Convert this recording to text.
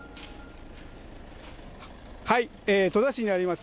戸田市にあります